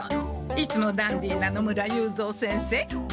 いつもダンディーな野村雄三先生。